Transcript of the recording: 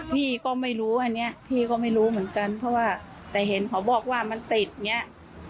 พี่ก็ไม่รู้อันนี้พี่ก็ไม่รู้เหมือนกันเพราะว่าแต่เห็นเขาบอกว่ามันติดอย่างเงี้ย